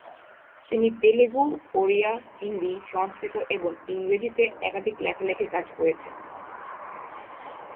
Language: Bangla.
তিনি তেলুগু, ওড়িয়া, হিন্দি, সংস্কৃত, এবং ইংরেজিতে একাধিক লেখালেখির কাজ করেছেন।